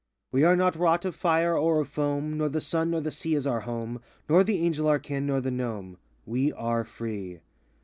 We are not wrought of fire or of foam; Nor the sun nor the sea is our home; Nor the angel our kin nor the gnome: We are free.